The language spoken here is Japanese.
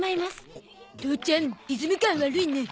父ちゃんリズム感悪いね。